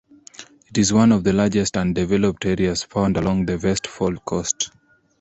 It is one of the largest undeveloped areas found along the Vestfold coast.